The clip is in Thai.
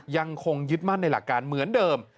ยังคงยึดมั่นในหลักการเหมือนเดิม